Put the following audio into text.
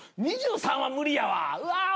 ２３は無理やわ